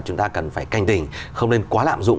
chúng ta cần phải canh tình không nên quá lạm dụng